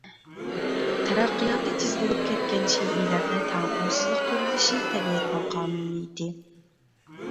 تەرەققىياتى تېز بولۇپ كەتكەن شەيئىلەردە تەڭپۇڭسىزلىق كۆرۈلۈشى تەبىئەتنىڭ قانۇنىيىتى.